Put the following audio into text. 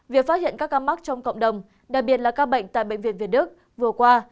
việc phát hiện các ca mắc trong cộng đồng đặc biệt là ca bệnh tại bệnh viện việt đức vừa qua